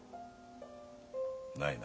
ないな。